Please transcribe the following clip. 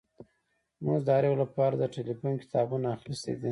موږ د هر یو لپاره د ټیلیفون کتابونه اخیستي دي